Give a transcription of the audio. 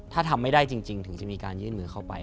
ถ้าทำไม่ได้จริงถึงจะมีการยื่นมือเข้าไป